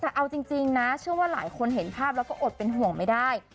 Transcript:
แต่เอาจริงนะเชื่อว่าหลายคนเห็นภาพแล้วก็อดเป็นห่วงไม่ได้